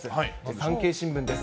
産経新聞です。